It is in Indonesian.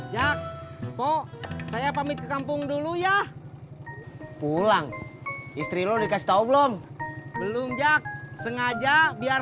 jak kok saya pamit ke kampung dulu ya pulang istri lo dikasih tahu belum belum jak sengaja biar